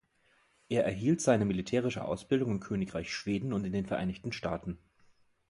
Er erhielt seine militärische Ausbildung im Königreich Schweden und in den Vereinigten Staaten.